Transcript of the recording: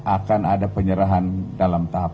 akan ada penyerahan dalam tahap